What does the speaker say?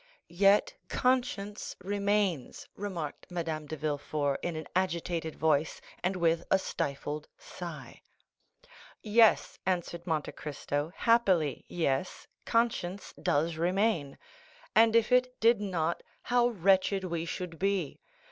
"Yet conscience remains," remarked Madame de Villefort in an agitated voice, and with a stifled sigh. "Yes," answered Monte Cristo "happily, yes, conscience does remain; and if it did not, how wretched we should be!